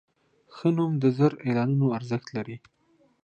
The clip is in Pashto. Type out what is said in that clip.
ښه نوم د زر اعلانونو ارزښت لري.